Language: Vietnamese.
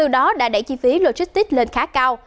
đó đã đẩy chi phí logistics lên khá cao